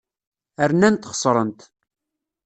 Rnant xesrent.